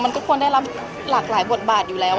มันก็ควรได้รับหลากหลายบทบาทอยู่แล้ว